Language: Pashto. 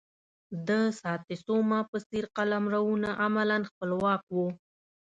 د ساتسوما په څېر قلمرونه عملا خپلواک وو.